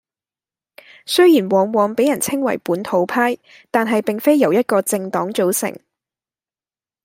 雖然往往畀人稱為「本土派」，但係並非由一個政黨組成